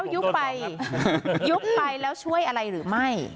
ยุบไปแล้วช่วยอะไรหรือไม่